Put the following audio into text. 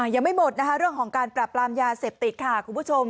ยังไม่หมดนะคะเรื่องของการปรับปรามยาเสพติดค่ะคุณผู้ชม